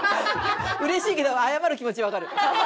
嬉しいけど謝る気持ちわかる。